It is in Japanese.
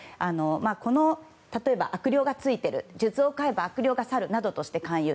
この悪霊が憑いている数珠を買えば悪霊が去るなどとして勧誘。